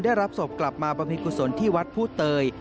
ได้รับศพกลับมาบำเพ็ญกุศลที่วัดผู้เตย